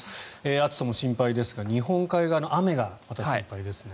暑さも心配ですが日本海側の雨がまた心配ですね。